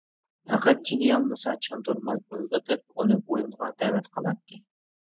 پەقەت چىدىيالمىسا چاندۇرماي ئويغىتىپ ئۇنى ئويۇنغا دەۋەت قىلاتتى.